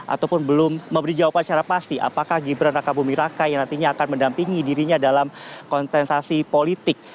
ataupun belum memberi jawaban secara pasti apakah gibran raka bumi raka yang nantinya akan mendampingi dirinya dalam kontensasi politik